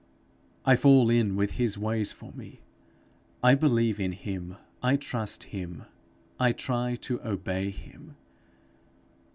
I fall in with his ways for me. I believe in him. I trust him. I try to obey him.